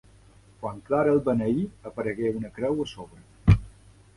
Quan Clara el beneí, aparegué una creu a sobre.